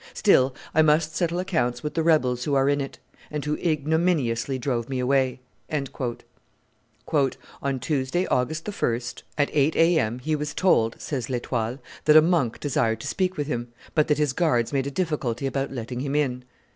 Still, I must settle accounts with the rebels who are in it, and who ignominiously drove me away." "On Tuesday, August 1, at eight A. M., he was told," says L'Estoile, "that a monk desired to speak with him, but that his guards made a difficulty about letting him in.